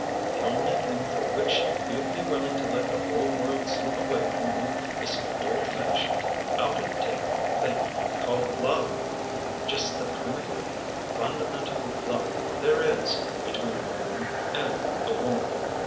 The only thing for which you'd be willing to let the whole world slip away from you is an old fashioned, out of date thing called love just the primitive, fundamental love there is between a man and a woman.